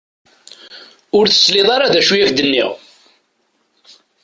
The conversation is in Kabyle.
Ur tesliḍ ara d acu i ak-d-nniɣ.